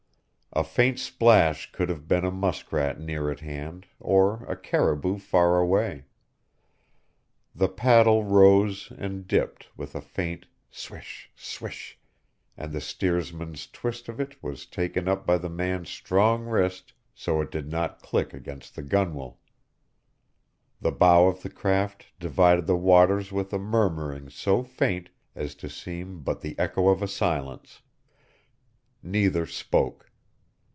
A faint splash could have been a muskrat near at hand or a caribou far away. The paddle rose and dipped with a faint swish, swish, and the steersman's twist of it was taken up by the man's strong wrist so it did not click against the gunwale; the bow of the craft divided the waters with a murmuring so faint as to seem but the echo of a silence. Neither spoke.